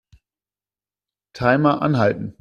Timer anhalten.